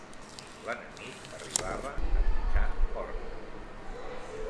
L'enemic arribava a mitjan horta.